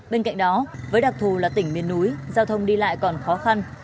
bên cạnh đó với đặc thù là tỉnh miền núi giao thông đi lại còn khó khăn